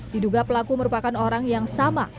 diduga pelaku merupakan orang yang sama